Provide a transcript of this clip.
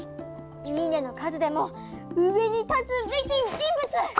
「いいね」の数でも上に立つべき人物！